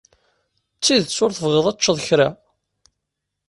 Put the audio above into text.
D tidet ur tebɣiḍ ad teččeḍ kra?